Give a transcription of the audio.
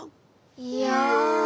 いや。